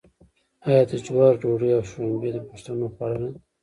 آیا د جوارو ډوډۍ او شړومبې د پښتنو خواړه نه دي؟